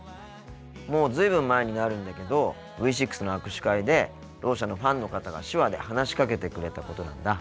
もう随分前になるんだけどＶ６の握手会でろう者のファンの方が手話で話しかけてくれたことなんだ。